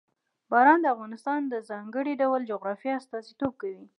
باران د افغانستان د ځانګړي ډول جغرافیه استازیتوب کوي.